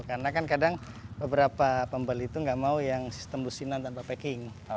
karena kan kadang beberapa pembali itu nggak mau yang sistem lusinan tanpa packing